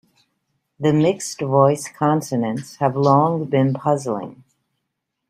The mixed-voice consonants have long been puzzling.